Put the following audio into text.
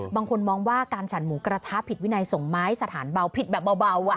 บางคนมองว่าการฉันหมูกระทะผิดวินัยส่งไม้สถานเบาผิดแบบเบา